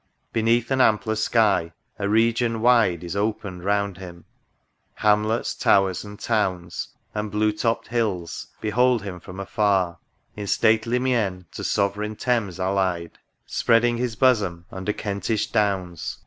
Beneath an ampler sky a region wide Is opened round him ;— hamlets, towers, and towns, And blue topp'd hills, behold him from afar ; In stately mien to sovereign Thames allied. Spreading his bosom under Kentish downs.